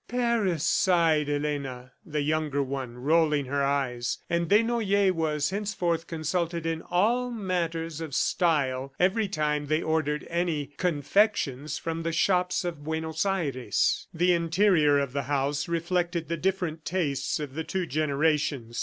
"Paris!" sighed Elena, the younger one, rolling her eyes. And Desnoyers was henceforth consulted in all matters of style every time they ordered any "confections" from the shops of Buenos Aires. The interior of the house reflected the different tastes of the two generations.